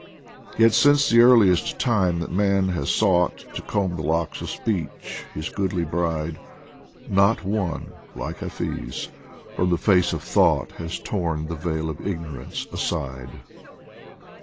Yet since the earliest time that man has sought To comb the locks of Speech, his goodly bride, Not one, like Hafiz, from the face of Thought Has torn the veil of Ignorance aside.